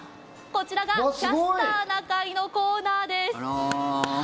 こちらが「キャスターな会」のコーナーです。